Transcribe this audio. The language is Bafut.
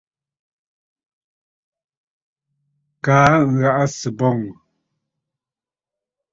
Kaa bì ghàʼà sɨ̀ bɔŋə̀.